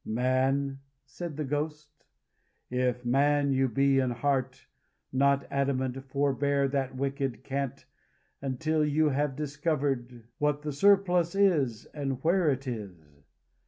"Man," said the Ghost, "if man you be in heart, not adamant, forbear that wicked cant until you have discovered what the surplus is and where it is.